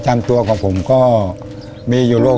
จำตัวของผมก็มีโรคไส้เลื่อน